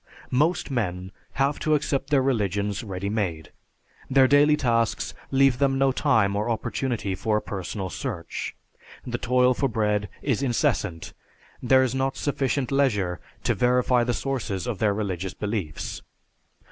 Most men have to accept their religions ready made. Their daily tasks leave them no time or opportunity for a personal search. The toil for bread is incessant, there is not sufficient leisure to verify the sources of their religious beliefs.